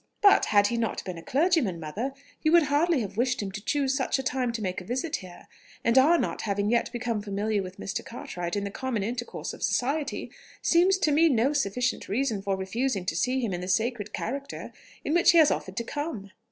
"But had he not been a clergyman, mother, you would hardly have wished him to choose such a time to make a visit here; and our not having yet become familiar with Mr. Cartwright in the common intercourse of society, seems to me no sufficient reason for refusing to see him in the sacred character in which he has offered to come...."